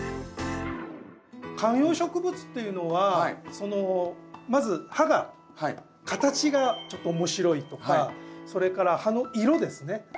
観葉植物っていうのはまず葉が形がちょっと面白いとかそれから葉の色ですね。